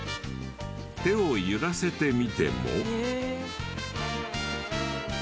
手を揺らせてみても。